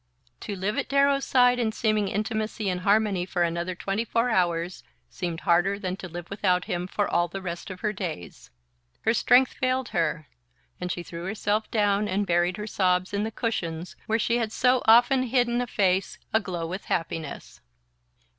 To live at Darrow's side in seeming intimacy and harmony for another twenty four hours seemed harder than to live without him for all the rest of her days. Her strength failed her, and she threw herself down and buried her sobs in the cushions where she had so often hidden a face aglow with happiness.